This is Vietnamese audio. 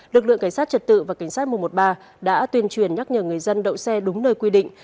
lực lượng cảnh sát trật tự và cảnh sát một trăm một mươi ba đã tuyên truyền nhắc nhở người dân đậu xe đúng nơi quy định